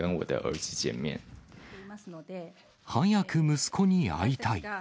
早く息子に会いたい。